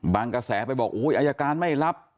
กระแสไปบอกอายการไม่รับ